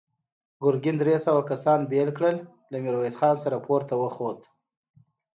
ګرګين درې سوه کسان بېل کړل، له ميرويس خان سره پورته وخوت.